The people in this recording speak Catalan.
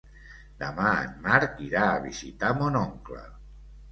Demà en Marc irà a visitar mon oncle.